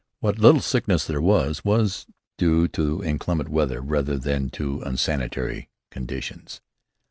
What little sickness there was was due to inclement weather rather than to unsanitary conditions.